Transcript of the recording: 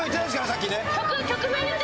さっきね。